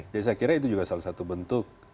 jadi saya kira itu juga salah satu bentuk